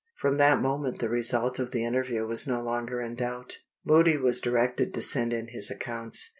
From that moment the result of the interview was no longer in doubt. Moody was directed to send in his accounts.